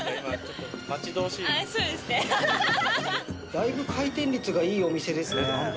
だいぶ回転率がいいお店ですね。